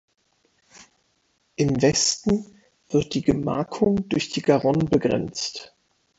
Im Westen wird die Gemarkung durch die Garonne begrenzt.